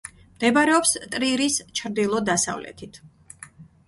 მდებარეობს ტრირის ჩრდილო-დასავლეთით.